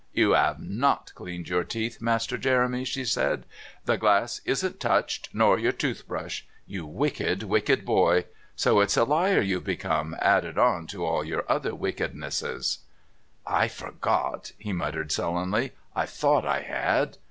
"You 'ave not cleaned your teeth, Master Jeremy," she said. "The glass isn't touched, nor your toothbrush... You wicked, wicked boy. So it's a liar you've become, added on to all your other wickedness." "I forgot," he muttered sullenly. "I thought I had."